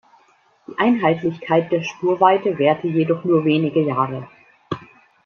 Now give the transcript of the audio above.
Die Einheitlichkeit der Spurweite währte jedoch nur wenige Jahre.